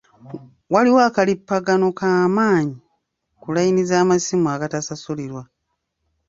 Waliwo akalippagano k'amaanyi ku layini z'amasimu agatasasulirwa.